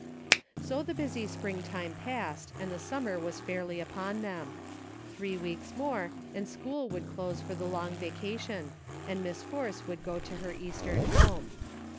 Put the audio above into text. So the busy springtime passed, and the summer was fairly upon them. Three weeks more and 164 SAGE CONCLUSIONS. school would close for the long vacation, and Miss Force would go to her Eastern home.